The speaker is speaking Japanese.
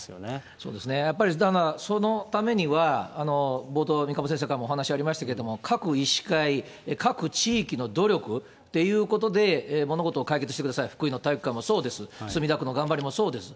そうですね、やっぱり、そのためには、冒頭、三鴨先生からもお話ありましたけれども、各医師会、各地域の努力っていうことで物事を解決してください、福井の体育館もそうです、墨田区の頑張りもそうです。